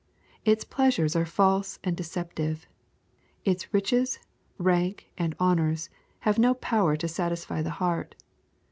Its pleasures are false and deceptive. Its riches, rank, and honors, have no power to satisfy the heart.